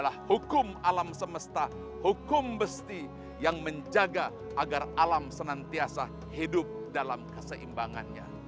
adalah hukum alam semesta hukum besti yang menjaga agar alam senantiasa hidup dalam keseimbangannya